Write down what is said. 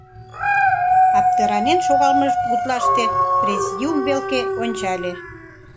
Аптыранен шогалмыж гутлаште президиум велке ончале.